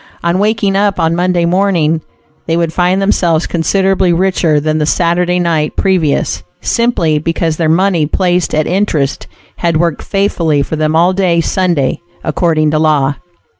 On waking up on Monday morning, they would find themselves considerably richer than the Saturday night previous, simply because their money placed at interest had worked faithfully for them all day Sunday, according to law!